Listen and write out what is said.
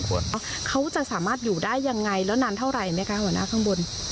ควรเขาจะสามารถอยู่ได้ยังไงแล้วนานเท่าไรมั้ยคะหวันะข้างบน